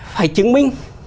phải chứng minh